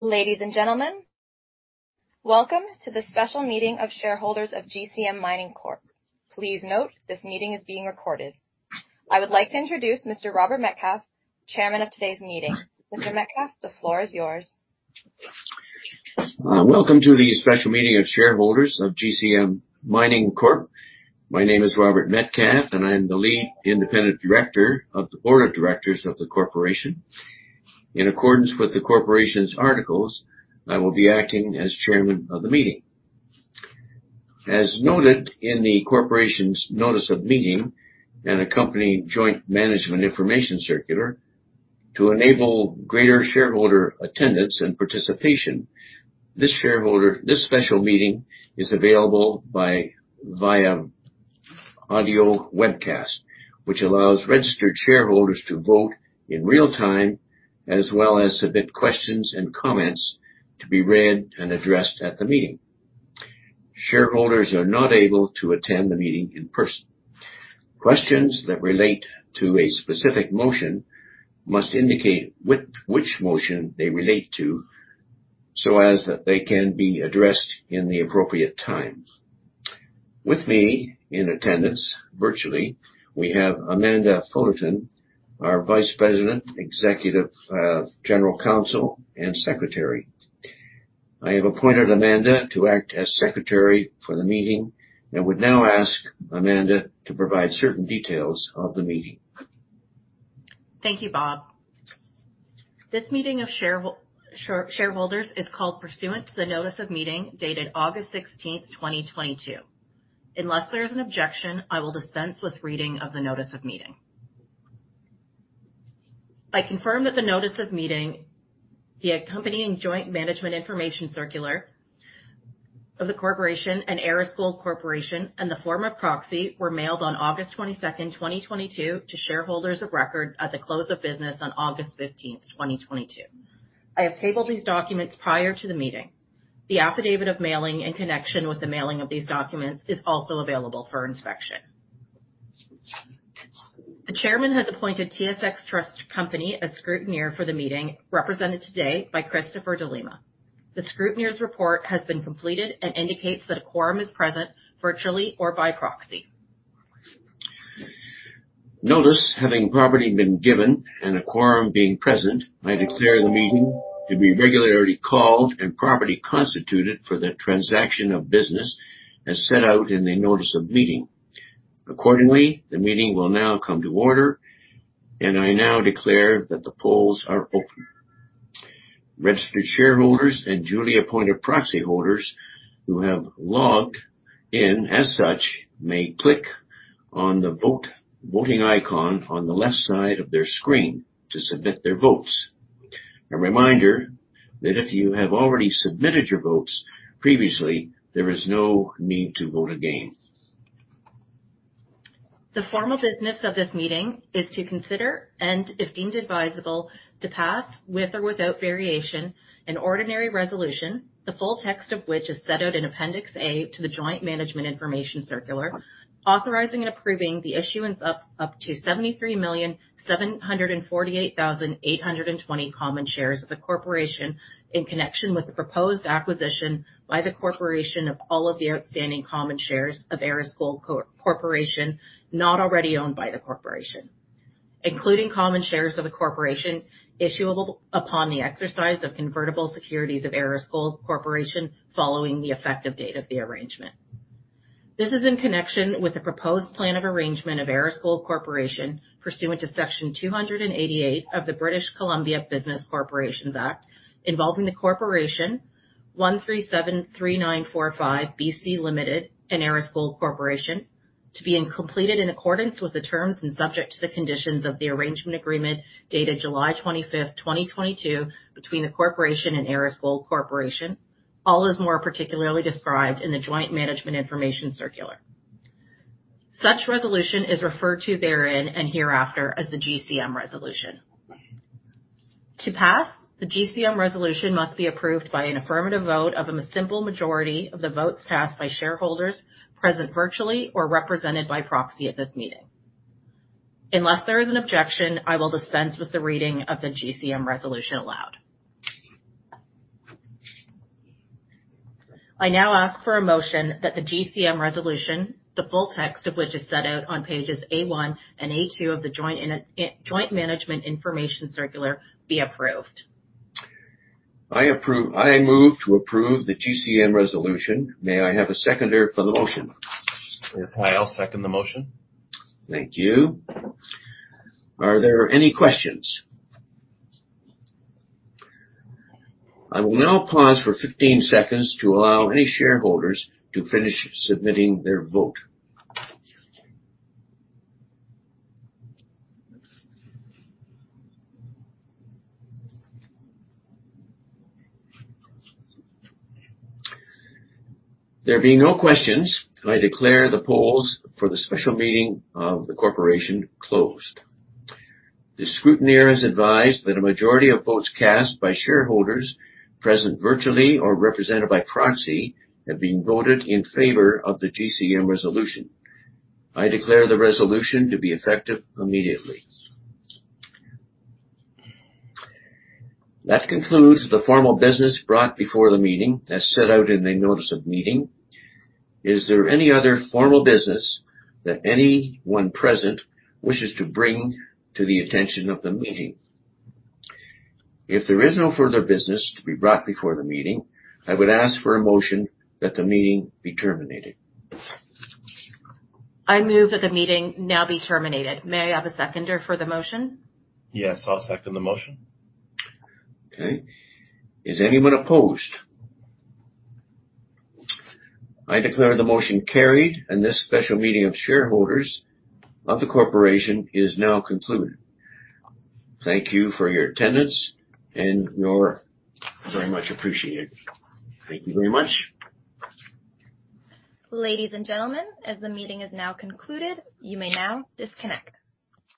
Ladies and gentlemen, welcome to the special meeting of shareholders of GCM Mining Corp. Please note this meeting is being recorded. I would like to introduce Mr. Robert Metcalfe, Chairman of today's meeting. Mr. Metcalfe, the floor is yours. Welcome to the special meeting of shareholders of GCM Mining Corp. My name is Robert Metcalfe, and I'm the Lead Independent Director of the board of directors of the corporation. In accordance with the corporation's articles, I will be acting as Chairman of the meeting. As noted in the corporation's notice of meeting and accompanying joint management information circular, to enable greater shareholder attendance and participation, this special meeting is available via audio webcast, which allows registered shareholders to vote in real time as well as submit questions and comments to be read and addressed at the meeting. Shareholders are not able to attend the meeting in person. Questions that relate to a specific motion must indicate which motion they relate to so that they can be addressed in the appropriate time. With me in attendance, virtually, we have Amanda Fullerton, our Vice President, Executive General Counsel, and Secretary. I have appointed Amanda to act as secretary for the meeting and would now ask Amanda to provide certain details of the meeting. Thank you, Bob. This meeting of shareholders is called pursuant to the notice of meeting dated August 16th, 2022. Unless there is an objection, I will dispense with reading of the notice of meeting. I confirm that the notice of meeting, the accompanying joint management information circular of the corporation and Aris Gold Corporation and the form of proxy were mailed on August 22nd, 2022 to shareholders of record at the close of business on August 15th, 2022. I have tabled these documents prior to the meeting. The affidavit of mailing in connection with the mailing of these documents is also available for inspection. The chairman has appointed TSX Trust Company as scrutineer for the meeting, represented today by Christopher de Lima. The scrutineer's report has been completed and indicates that a quorum is present virtually or by proxy. Notice having properly been given and a quorum being present, I declare the meeting to be regularly called and properly constituted for the transaction of business as set out in the notice of meeting. Accordingly, the meeting will now come to order, and I now declare that the polls are open. Registered shareholders and duly appointed proxy holders who have logged in as such may click on the voting icon on the left side of their screen to submit their votes. A reminder that if you have already submitted your votes previously, there is no need to vote again. The formal business of this meeting is to consider, and if deemed advisable, to pass, with or without variation, an ordinary resolution, the full text of which is set out in Appendix A to the joint management information circular, authorizing and approving the issuance up to 73,748,820 common shares of the corporation in connection with the proposed acquisition by the corporation of all of the outstanding common shares of Aris Gold Corporation not already owned by the corporation, including common shares of the corporation issuable upon the exercise of convertible securities of Aris Gold Corporation following the effective date of the arrangement. This is in connection with the proposed plan of arrangement of Aris Gold Corporation pursuant to Section 288 of the British Columbia Business Corporations Act involving the Corporation 1373945 B.C. Ltd. Aris Gold Corporation to being completed in accordance with the terms and subject to the conditions of the arrangement agreement dated July 25th, 2022 between the corporation and Aris Gold Corporation, all as more particularly described in the joint management information circular. Such resolution is referred to therein and hereafter as the GCM Resolution. To pass, the GCM Resolution must be approved by an affirmative vote of a simple majority of the votes cast by shareholders present virtually or represented by proxy at this meeting. Unless there is an objection, I will dispense with the reading of the GCM Resolution aloud. I now ask for a motion that the GCM Resolution, the full text of which is set out on pages A1 and A2 of the joint management information circular, be approved. I approve. I move to approve the GCM Resolution. May I have a seconder for the motion? Yes. I'll second the motion. Thank you. Are there any questions? I will now pause for 15 seconds to allow any shareholders to finish submitting their vote. There being no questions, I declare the polls for the special meeting of the corporation closed. The scrutineer has advised that a majority of votes cast by shareholders present virtually or represented by proxy have been voted in favor of the GCM Resolution. I declare the resolution to be effective immediately. That concludes the formal business brought before the meeting as set out in the notice of meeting. Is there any other formal business that anyone present wishes to bring to the attention of the meeting? If there is no further business to be brought before the meeting, I would ask for a motion that the meeting be terminated. I move that the meeting now be terminated. May I have a seconder for the motion? Yes. I'll second the motion. Okay. Is anyone opposed? I declare the motion carried, and this special meeting of shareholders of the corporation is now concluded. Thank you for your attendance. Very much appreciated. Thank you very much. Ladies and gentlemen, as the meeting is now concluded, you may now disconnect.